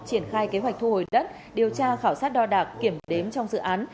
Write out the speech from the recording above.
triển khai kế hoạch thu hồi đất điều tra khảo sát đo đạc kiểm đếm trong dự án